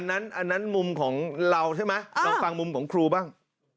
อันนั้นมุมของเราใช่ไหมลองฟังมุมของครูบ้าง